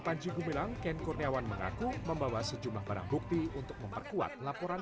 panji gumilang ken kurniawan mengaku membawa sejumlah barang bukti untuk memperkuat laporan